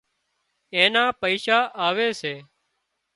اين نا پئيشا آوي سي